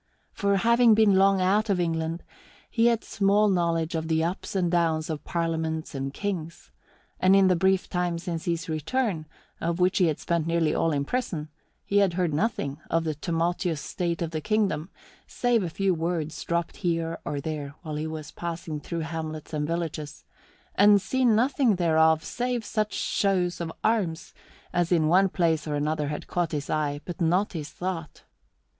For, having been long out of England, he had small knowledge of the ups and downs of parliaments and kings; and in the brief time since his return, of which he had spent nearly all in prison, he had heard nothing of the tumultuous state of the kingdom, save a few words dropped here or there while he was passing through hamlets and villages, and seen nothing thereof save such show of arms as in one place or another had caught his eye but not his thought.